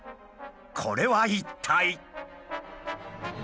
これは一体？